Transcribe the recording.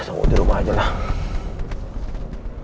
sama di rumah aja lah